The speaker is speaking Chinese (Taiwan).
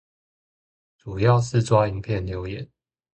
主要是抓影片留言